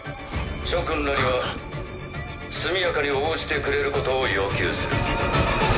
諸君らには速やかに応じてくれることを要求する。